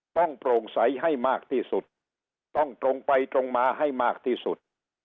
โปร่งใสให้มากที่สุดต้องตรงไปตรงมาให้มากที่สุด